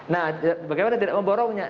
nah bagaimana tidak memborongnya